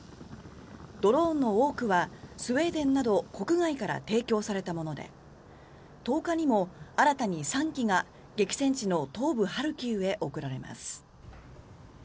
ドローンの多くはスウェーデンなど国外から提供されたもので１０日にも新たに３機が激戦地の東部ハルキウへ送られます。